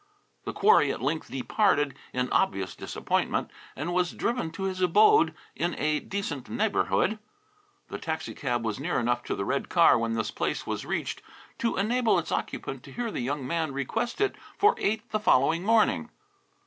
The quarry at length departed, in obvious disappointment, and was driven to his abode in a decent neighbourhood. The taxi cab was near enough to the red car when this place was reached to enable its occupant to hear the young man request it for eight the following morning.